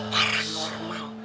parang luar emang